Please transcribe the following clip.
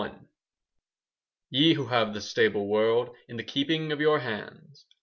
LXXI Ye who have the stable world In the keeping of your hands.